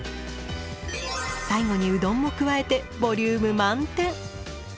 最後にうどんも加えてボリューム満点。